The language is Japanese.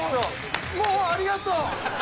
もうありがとう！